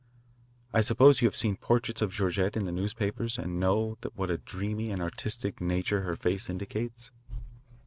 I suppose you have seen portraits of Georgette in the newspapers and know what a dreamy and artistic nature her face indicates?"